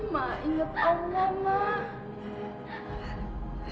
mak ingat allah mak